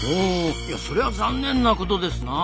そりゃ残念なことですなあ。